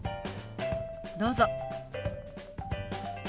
どうぞ。